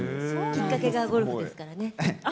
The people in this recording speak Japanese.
きっかけがゴルフですからね。